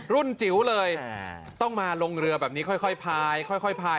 จิ๋วเลยต้องมาลงเรือแบบนี้ค่อยพายค่อยพาย